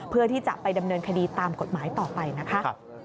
เพื่อที่จะไปดำเนินคดีตามกฎหมายต่อไปนะคะ